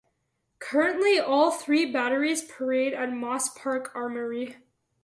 Currently all three batteries parade at Moss Park Armoury.